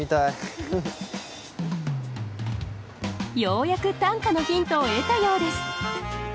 ようやく短歌のヒントを得たようです